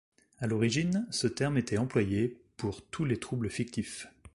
À l'origine, ce terme était employé pour tous les troubles fictifs.